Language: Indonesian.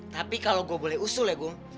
tapi kalau gue boleh usul ya gung